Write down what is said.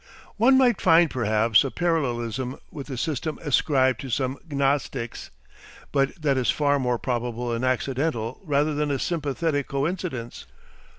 One might find, perhaps, a parallelism with the system ascribed to some Gnostics, but that is far more probably an accidental rather than a sympathetic coincidence.